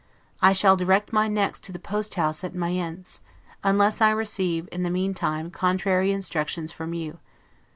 I shall direct my next to the post house at Mayence, unless I receive, in the meantime, contrary instructions from you.